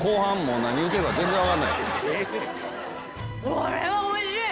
これはおいしい！